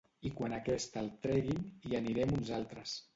I quan aquesta el treguin, hi anirem uns altres.